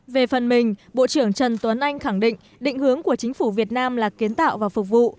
về phần mình bộ trưởng trần tuấn anh khẳng định định hướng của chính phủ việt nam là kiến tạo và phục vụ